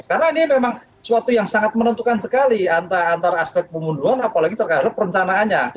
karena ini memang suatu yang sangat menentukan sekali antara aspek pemunduan apalagi terkadang perencanaannya